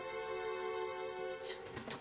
ちょっと。